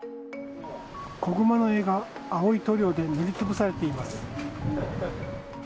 子グマの絵が青い塗料で塗りつぶされています。